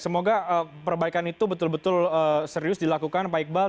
semoga perbaikan itu betul betul serius dilakukan pak iqbal